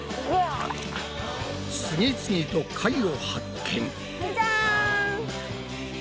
次々と貝を発見！